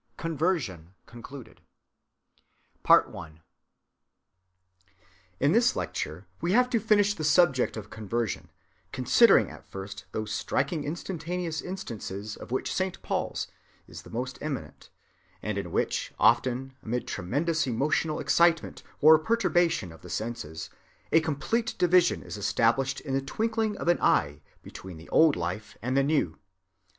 CONVERSION—CONCLUDED. In this lecture we have to finish the subject of Conversion, considering at first those striking instantaneous instances of which Saint Paul's is the most eminent, and in which, often amid tremendous emotional excitement or perturbation of the senses, a complete division is established in the twinkling of an eye between the old life and the new.